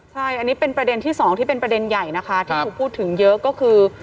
ใช่อันนี้เป็นประเด็นที่สองที่เป็นประเด็นใหญ่นะคะที่ถูกพูดถึงเยอะก็คือ